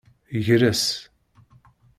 Gres.